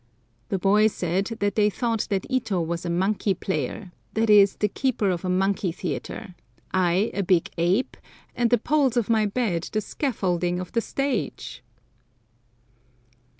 The boy said that they thought that Ito was a monkey player, i.e. the keeper of a monkey theatre, I a big ape, and the poles of my bed the scaffolding of the stage!